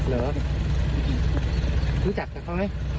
รู้จักกับเขาไหม